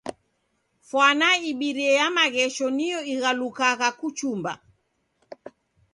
Fwana ibirie ya maghesho niyo ighalukagha kuchumba.